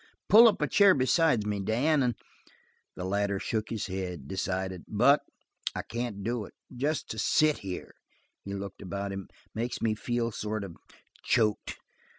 Pull up a chair beside me, Dan, and " The latter shook his head, decided. "Buck, I can't do it. Just to sit here" he looked about him "makes me feel sort of choked.